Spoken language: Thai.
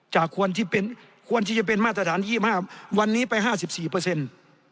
ควรที่เป็นควรที่จะเป็นมาตรฐาน๒๕วันนี้ไปห้าสิบสี่เปอร์เซ็นต์